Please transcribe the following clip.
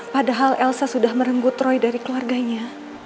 padahal elsa sudah merenggut roy dari keluarganya